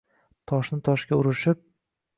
Toshni-toshga urishib